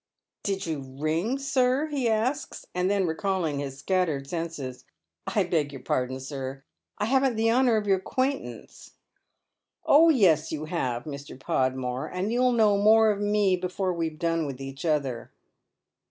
"Did you ring, sir ?" he asks, and then recalling his scattered senses, " I beg your pardon, sir, I haven't the honour of your acquaintance." " Oh yes, you have, Mr. Podmore, and you'll know more of me before we've done with each other.